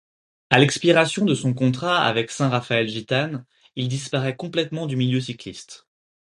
À l'expiration de son contrat avec Saint-Raphaël-Gitane, il disparaît complètement du milieu cycliste.